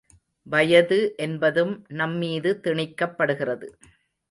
வயது என்பதும் நம்மீது திணிக்கப்படுகிறது.